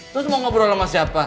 terus mau ngobrol sama siapa